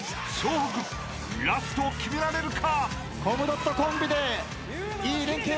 北ラスト決められるか？］